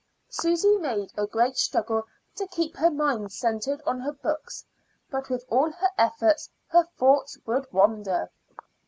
Susy made a great struggle to keep her mind centered on her books, but with all her efforts her thoughts would wander.